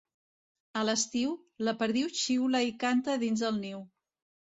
A l'estiu, la perdiu xiula i canta dins del niu.